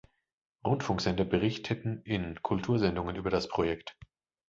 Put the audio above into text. Rundfunksender berichteten in Kultursendungen über das Projekt.